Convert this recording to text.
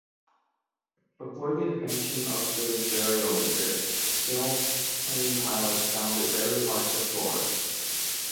Before the invention of the variometer, sailplane pilots found it very hard to soar.